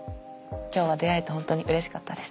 今日は出会えて本当にうれしかったです。